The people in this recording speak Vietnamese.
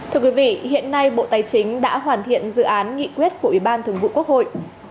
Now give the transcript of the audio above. thưa quý vị hiện nay bộ tài chính đã hoàn thiện dự án nghị quyết của ủy ban thường vụ quốc hội